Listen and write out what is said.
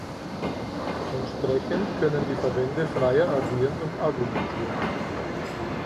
Entsprechend können die Verbände freier agieren und argumentieren.